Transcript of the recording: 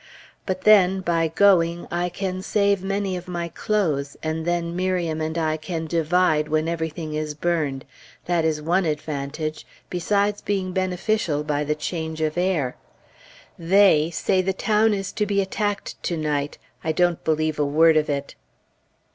But then, by going, I can save many of my clothes, and then Miriam and I can divide when everything is burned that is one advantage, besides being beneficial by the change of air. They say the town is to be attacked to night. I don't believe a word of it.